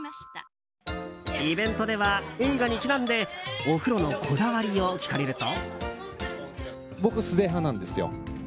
イベントでは映画にちなんでお風呂のこだわりを聞かれると。